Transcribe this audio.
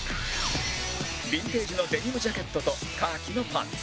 ビンテージのデニムジャケットとカーキのパンツ